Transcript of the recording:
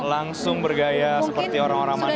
sudah siap langsung bergaya seperti orang orang mandailing